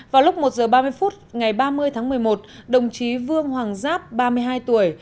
vào lúc một h ba mươi phút ngày ba mươi tháng một mươi một đồng chí vương hoàng giáp ba mươi hai tuổi